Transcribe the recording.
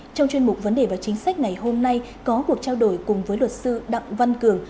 trong chuyên mục vấn đề và chính sách ngày hôm nay có cuộc trao đổi cùng với luật sư đặng văn cường